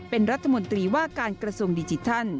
เป็นรัฐมนตรีว่าการกระทรวงดิจิทัล